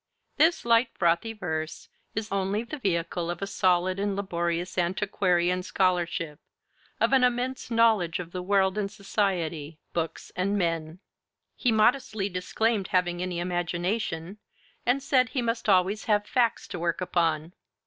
This light frothy verse is only the vehicle of a solid and laborious antiquarian scholarship, of an immense knowledge of the world and society, books and men. He modestly disclaimed having any imagination, and said he must always have facts to work upon.